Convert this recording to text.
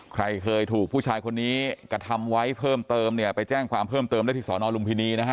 ใครเคยถูกผู้ชายคนนี้กระทำไว้เพิ่มเติมเนี่ยไปแจ้งความเพิ่มเติมได้ที่สอนอลุมพินีนะฮะ